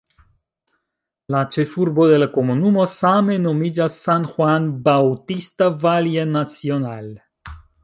La ĉefurbo de la komunumo same nomiĝas "San Juan Bautista Valle Nacional".